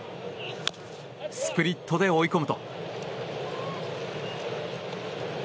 スプリットで追い込むと。